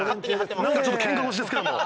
なんかちょっとけんか腰ですけども。